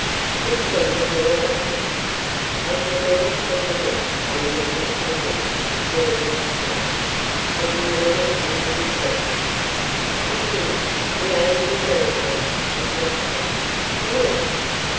Just then the door opened. I shall never forget the look on the young ambulance surgeon's face, as he murmured under his breath, "Come here the age of miracles is not passed look!"